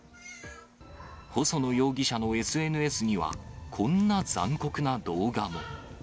細野容疑者のＳＮＳには、こんな残酷な動画も。